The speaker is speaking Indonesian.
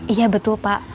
iya betul pak